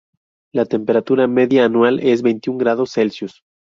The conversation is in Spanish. La temperatura media anual es veintiún grados Celsius.